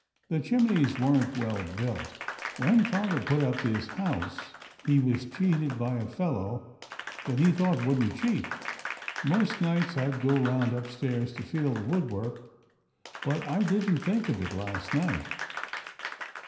" The chimneys weren't well built. When father put up this house, he was cheated by a fellow that he thought wouldn't cheat. Most nights I go round upstairs to feel the woodwork, but I didn't think of it last night.